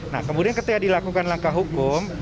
nah kemudian ketika dilakukan langkah hukum